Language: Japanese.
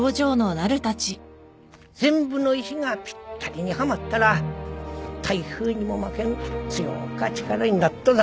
全部の石がぴったりにはまったら台風にも負けん強か力になっとぞ。